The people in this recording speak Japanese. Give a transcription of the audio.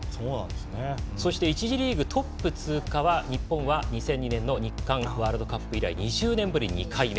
そして１次リーグトップ通過は日本は２００２年の日韓ワールドカップ以来２０年ぶり２回目。